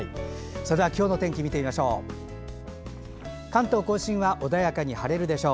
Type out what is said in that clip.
それでは今日の天気を見てみましょう。